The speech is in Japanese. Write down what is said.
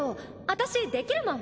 私できるもん。